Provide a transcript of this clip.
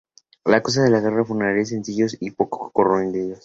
A causa de la guerra, los funerales fueron sencillos y poco concurridos.